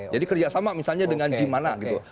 jadi kerja sama misalnya dengan gym mana gitu